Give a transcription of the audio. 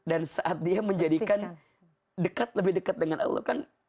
dan saat dia menjadikan dekat lebih dekat dengan allah kan